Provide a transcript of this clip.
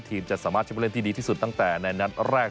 จะสามารถใช้ผู้เล่นที่ดีที่สุดตั้งแต่ในนัดแรก